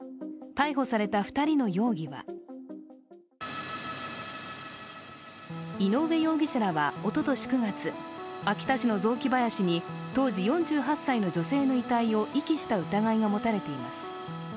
逮捕された２人の容疑は井上容疑者らはおととし９月、秋田市の雑木林に当時４８歳の女性の遺体を遺棄した疑いが持たれています。